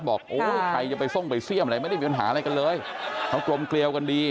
บอกโอ้ยใครจะไปทรงไปเสี่ยมอะไรไม่ได้มีปัญหาอะไรกันเลยเขากลมเกลียวกันดี